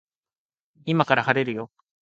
今から晴れるよ